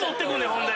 ほんで。